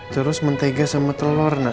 terus mentega sama telur